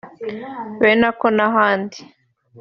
Benako n’ahandi